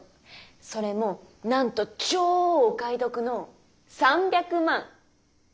それもなんと超お買い得の３００万。